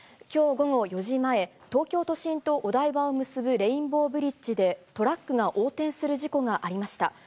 きょう午後４時前、東京都心とお台場を結ぶレインボーブリッジで、トラックが横転する事故がありました。